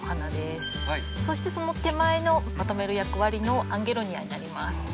そしてその手前のまとめる役割のアンゲロニアになります。